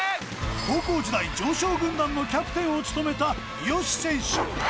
高校時代常勝軍団のキャプテンを務めた三好選手